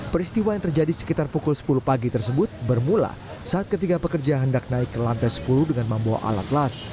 peristiwa yang terjadi sekitar pukul sepuluh pagi tersebut bermula saat ketiga pekerja hendak naik ke lantai sepuluh dengan membawa alat las